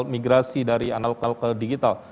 migrasi dari analog ke digital